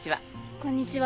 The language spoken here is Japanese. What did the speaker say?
こんにちは。